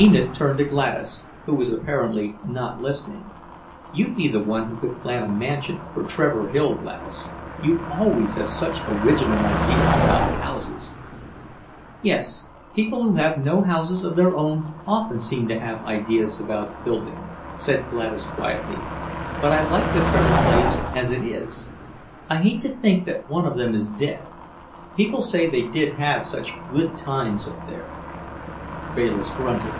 Enid turned to Gladys, who was apparently not listening. "You'd be the one who could plan a mansion for Trevor Hill, Gladys. You always have such original ideas about houses." "Yes, people who have no houses of their own often seem to have ideas about building," said Gladys quietly. "But I like the Trevor place as it is. I hate to think that one of them is dead. People say they did have such good times up there." Bayliss grunted.